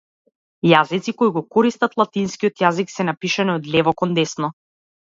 Јазици кои го користат латинскиот јазик се напишани од лево кон десно.